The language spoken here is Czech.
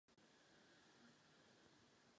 Paní komisařko, je to otázka prostých počtů.